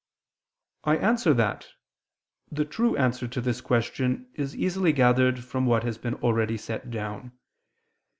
I answer that, The true answer to this question is easily gathered from what has been already set down.